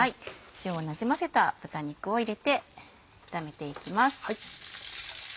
塩をなじませた豚肉を入れて炒めていきます。